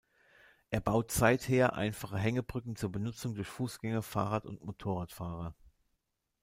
Er baut seither einfache Hängebrücken zur Benutzung durch Fussgänger, Fahrrad- und Motorradfahrer.